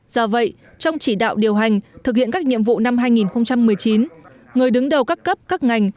do vậy trong chỉ đạo điều hành thực hiện các nhiệm vụ năm hai nghìn một mươi chín người đứng đầu các cấp các ngành